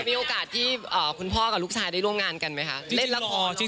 มีโอกาสที่คุณพ่อกับลูกชายได้ร่วมงานกันไหมคะเล่นละคร